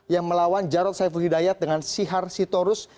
yang melawan jarod saifudhidayat dengan sihar sitorus